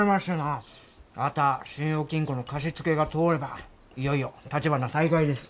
あたあ信用金庫の貸し付けが通ればいよいよたちばな再開です。